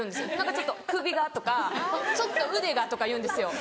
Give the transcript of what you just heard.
ちょっと首がとかちょっと腕がとか言うんですよ。